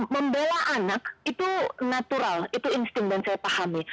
membela anak itu natural itu insting dan saya pahami